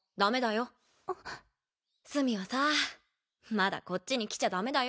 須美はさまだこっちに来ちゃダメだよ。